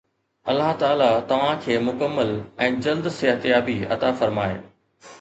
الله تعاليٰ توهان کي مڪمل ۽ جلد صحتيابي عطا فرمائي.